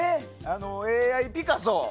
ＡＩピカソ